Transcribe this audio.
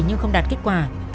nhưng không đạt kết quả